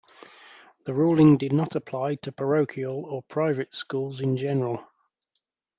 The ruling did not apply to parochial or private schools in general.